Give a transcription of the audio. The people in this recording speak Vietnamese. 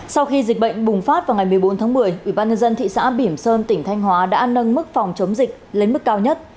sau khi dịch bệnh bùng phát vào ngày một mươi bốn tháng một mươi ubnd thị xã bỉm sơn tỉnh thanh hóa đã nâng mức phòng chống dịch lên mức cao nhất